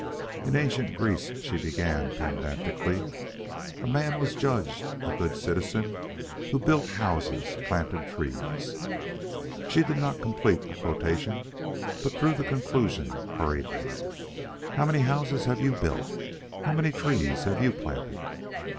"In ancient Greece," she began pedantically, "a man was judged a good citizen who built houses, planted trees " She did not complete the quotation, but drew the conclusion hurriedly. "How many houses have you built? How many trees have you planted?"